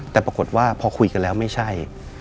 แต่ปรากฏว่าพอคุยกันแล้วไม่ใช่